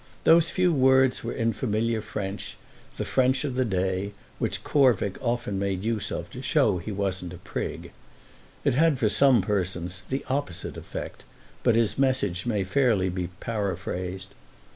Those few words were in familiar French, the French of the day, which Covick often made use of to show he wasn't a prig. It had for some persons the opposite effect, but his message may fairly be paraphrased.